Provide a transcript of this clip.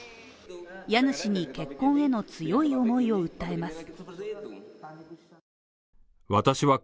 家主に、結婚への強い思いを訴えます。